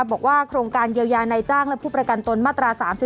บอกว่าโครงการเยียวยาในจ้างและผู้ประกันตนมาตรา๓๔